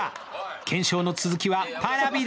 検証の続きはＰａｒａｖｉで。